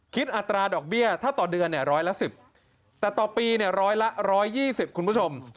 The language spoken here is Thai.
คิดอัตราดอกเบี้ยถ้าต่อเดือนเนี่ยร้อยละสิบแต่ต่อปีเนี่ยร้อยละร้อยยี่สิบคุณผู้ชม